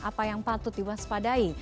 apa yang patut diwaspadai